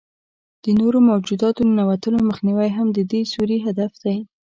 د نورو موجوداتو د ننوتلو مخنیوی هم د دې سوري هدف دی.